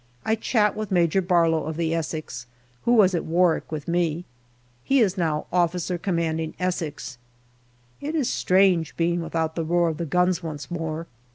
I chat with Major Barlow of the Essex, who was at Warwick with me. He is now O.C. Essex. It is strange being without the roar of the guns once more.